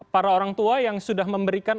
para orang tua yang sudah memberikan